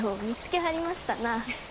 見つけはりましたな。